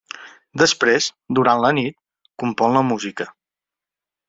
Després, durant la nit, compon la música.